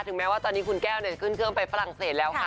แม้ว่าตอนนี้คุณแก้วขึ้นเครื่องไปฝรั่งเศสแล้วค่ะ